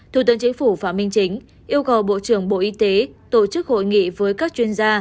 thủ tướng chính phủ phạm minh chính yêu cầu bộ trưởng bộ y tế tổ chức hội nghị với các chuyên gia